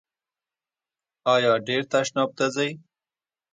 ایا ډیر تشناب ته ځئ؟